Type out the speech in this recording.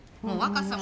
もう。